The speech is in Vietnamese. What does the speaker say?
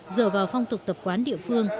dở vào phong tục tập quán địa phương